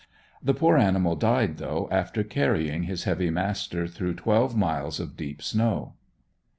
The poor animal died though after carrying his heavy master through twelve miles of deep snow.